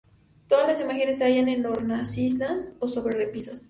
Todas las imágenes se hallan en hornacinas o sobre repisas.